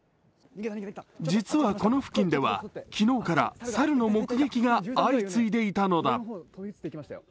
実はこの付近では昨日から猿の目撃が相次いでいたのだ。